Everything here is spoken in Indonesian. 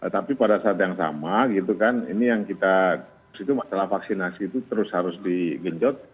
tapi pada saat yang sama ini yang kita masalah vaksinasi itu terus harus digenjot